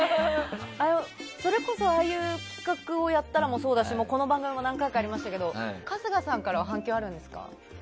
それこそ、ああいう企画をやったのもそうだしこの番組も何回かやりましたけど春日さんから反響はあるんですか？